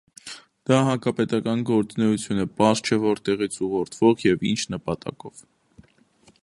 Դա հակապետական գործունեություն է, պարզ չէ որտեղից ուղղորդվող և ինչ նպատակով։